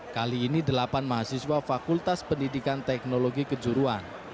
kali ini delapan mahasiswa fakultas pendidikan teknologi kejuruan